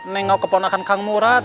nengau keponakan kang murad